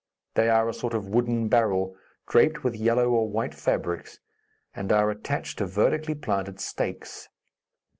They are a sort of wooden barrel, draped with yellow or white fabrics, and are attached to vertically planted stakes.